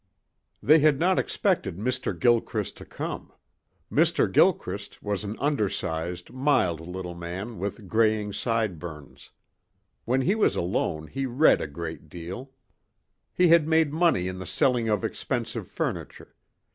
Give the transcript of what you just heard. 6 They had not expected Mr. Gilchrist to come. Mr. Gilchrist was an undersized, mild little man with greying sideburns. When he was alone he read a great deal. He had made money in the selling of expensive furniture.